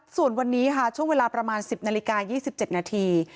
ส่วนวันนี้ค่ะช่วงเวลาประมาณ๑๐นาฬิกา๒๗นาที